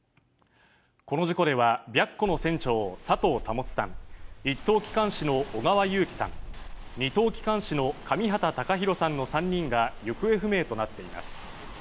この事故では白虎の船長、佐藤保さん、１等機関士の小川有樹さん、２等機関士の上畠隆寛さんの３人が行方不明となっています。